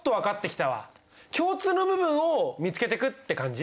共通の部分を見つけてくって感じ？